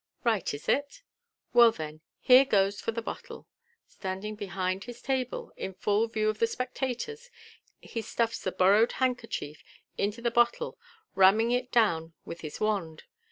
Right, is it ? Well, then, here goes for the bottle." Standing behind his table, in full view of the spectators, he stuffs the borrowed hand kerchief into the bottle, ramming it down with his wand.